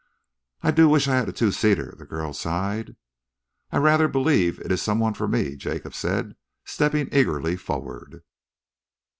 "I do wish I had a two seater," the girl sighed. "I rather believe it's some one for me," Jacob said, stepping eagerly forward.